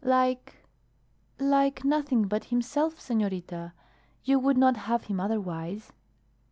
"Like like nothing but himself, senorita. You would not have him otherwise."